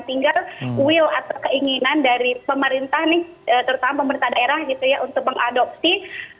tinggal will atau keinginan dari pemerintah terutama pemerintah daerah untuk mengadopsi